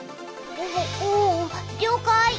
おおおりょうかい！